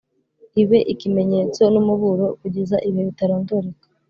ibe ikimenyetso n’umuburo kugeza ibihe bitarondoreka,